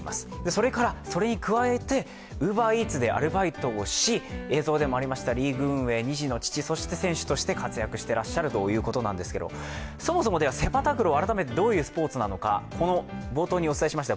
それからそれに加えてＵｂｅｒＥａｔｓでアルバイトをしリーグ運営、２児の父、そして選手として活躍していらっしゃるということなんですけれどもそもそもセパタクロー、そういうスポーツなのか、冒頭にお伝えしました